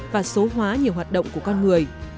và số hóa nhiều hoạt động của con người